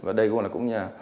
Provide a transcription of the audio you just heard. và đầy gồm là cũng nhà